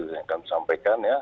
saya akan sampaikan ya